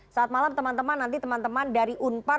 saat malam teman teman nanti teman teman dari unpar